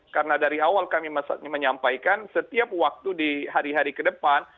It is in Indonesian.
karena dari awal kami menyampaikan setiap waktu di hari hari ke depan